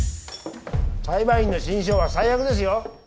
裁判員の心証は最悪ですよ。